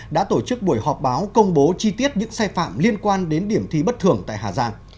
đã tổ chức buổi họp báo công bố chi tiết những sai phạm liên quan đến điểm thi bất thường tại hà giang